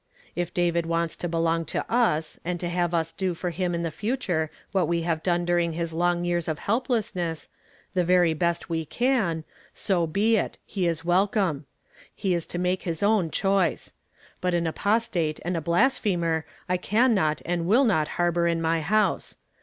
If David wants to belong to us, and to have us do for him in the future what we have done during his long yeai s of helplessness, the very best we can, so be it ; he is welcome. He is to make his own choice. But an apostate and a blasphemer I can not and will not harbor in my house.